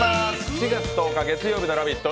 ４月１０日月曜日の「ラヴィット！」